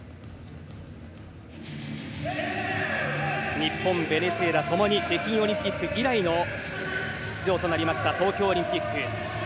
日本、ベネズエラともに北京オリンピック以来の出場となりました東京オリンピック。